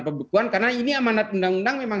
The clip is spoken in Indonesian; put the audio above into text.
pembekuan karena ini amanat undang undang memang